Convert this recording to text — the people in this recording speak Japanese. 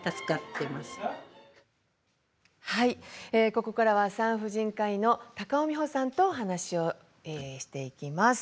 ここからは産婦人科医の高尾美穂さんとお話をしていきます。